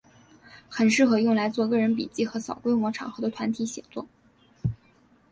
很适合用来做个人笔记和小规模场合的团体写作。